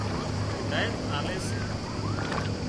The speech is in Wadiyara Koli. هدايت آلي سي